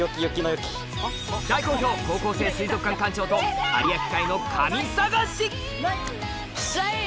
大好評高校生水族館館長と有明海の神探し！